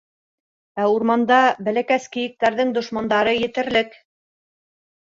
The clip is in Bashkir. Ә урманда бәләкәс кейектәрҙең дошмандары етерлек.